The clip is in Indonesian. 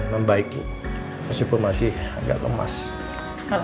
nanti posisi tak muncul